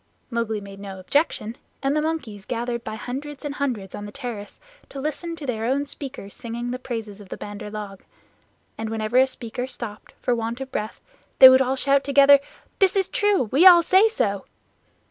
Mowgli made no objection, and the monkeys gathered by hundreds and hundreds on the terrace to listen to their own speakers singing the praises of the Bandar log, and whenever a speaker stopped for want of breath they would all shout together: "This is true; we all say so."